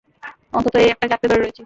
অন্তত এই একটাকে আঁকড়ে ধরে রয়েছি।